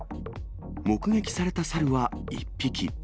目撃された猿は１匹。